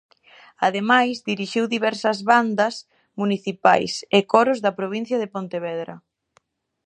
Ademais dirixiu diversas bandas municipais e coros da provincia de Pontevedra.